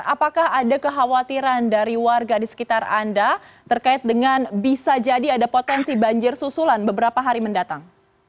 apakah ada kekhawatiran dari warga di sekitar anda terkait dengan bisa jadi ada potensi banjir susulan beberapa hari mendatang